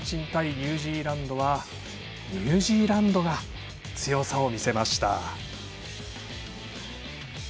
ニュージーランドはニュージーランドが強さを見せました。